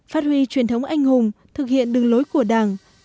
phát huy truyền thống anh hùng thực hiện đường lối của đảng